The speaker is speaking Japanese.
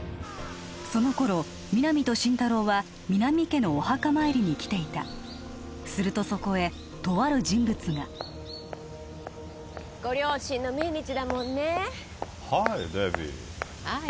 その頃皆実と心太朗は皆実家のお墓参りに来ていたするとそこへとある人物がご両親の命日だもんねハイデビーハーイ